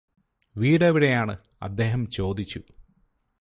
‘‘വീടെവിടെയാണ്’’ അദ്ദേഹം ചോദിച്ചു.